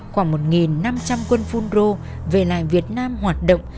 khoảng một năm trăm linh quân fungro về lại việt nam hoạt động